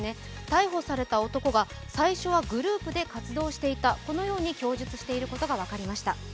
逮捕された男が最初はグループで活動していたこのように供述していることが分かりました。